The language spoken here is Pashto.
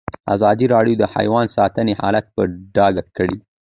ازادي راډیو د حیوان ساتنه حالت په ډاګه کړی.